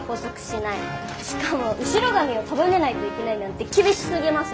しかも後ろ髪を束ねないといけないなんて厳しすぎます！